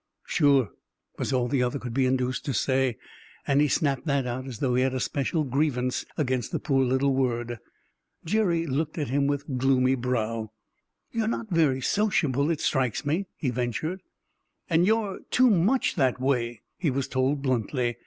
"Sure," was all the other could be induced to say, and he snapped that out as though he had a special grievance against the poor little word. Jerry looked at him with gloomy brow. "You're not very sociable, it strikes me," he ventured. "And you're too much that way," he was told bluntly.